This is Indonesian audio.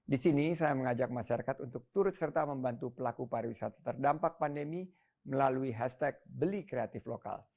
di sini saya mengajak masyarakat untuk turut serta membantu pelaku pariwisata terdampak pandemi melalui hashtag beli kreatif lokal